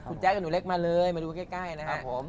คุณแจ๊คกับหนูเล็กมาเลยมาดูใกล้นะครับผม